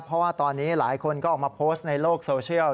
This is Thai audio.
เพราะว่าตอนนี้หลายคนก็ออกมาโพสต์ในโลกโซเชียล